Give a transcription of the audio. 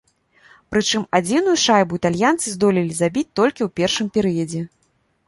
Прычым адзіную шайбу італьянцы здолелі забіць толькі ў першым перыядзе.